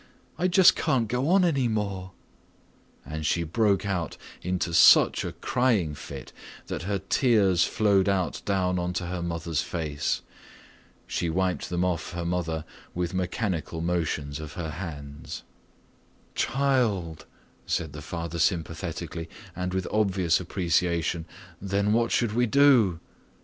I just can't go on any more." And she broke out into such a crying fit that her tears flowed out down onto her mother's face. She wiped them off her mother with mechanical motions of her hands. "Child," said the father sympathetically and with obvious appreciation, "then what should we do?"